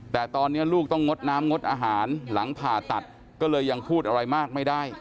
แต่ตอนนี้ลูกต้องงดน้ำงดอาหารหลังผ่าตัดก็เลยยังพูดอะไรมากไม่ได้